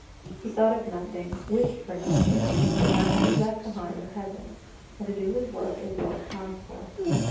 He thought of nothing, wished for nothing, but not to be left behind the peasants, and to do his work as well as possible.